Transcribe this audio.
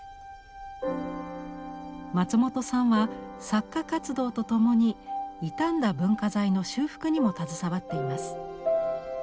松本さんは作家活動とともに傷んだ文化財の修復にも携わっています。